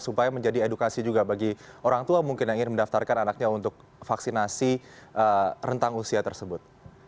supaya menjadi edukasi juga bagi orang tua mungkin yang ingin mendaftarkan anaknya untuk vaksinasi rentang usia tersebut